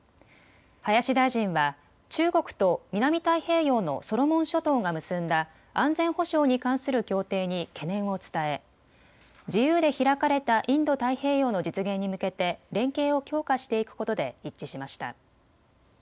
林大臣は中国と南太平洋のソロモン諸島が結んだ安全保障に関する協定に懸念を伝え自由で開かれたインド太平洋の実現に向けて連携を強化していくことで一致しました。